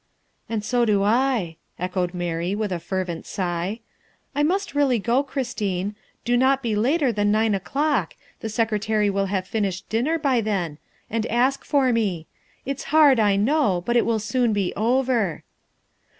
"And so do I," echoed Mary, with a fervent sigh. " I must really go, Christine. Do not be later than nine o'clock, the Secretary will have finished dinner by then, and ask for me. It's hard, I know, but it will soon be over."